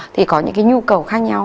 thì có những cái nhu cầu khác nhau